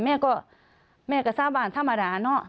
แม่ก็สาบานธรรมดาเนาะ